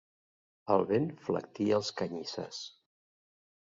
El vent flectia els canyissars.